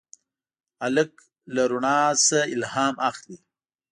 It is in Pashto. هلک له رڼا نه الهام اخلي.